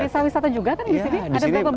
ada desa wisata juga kan di sini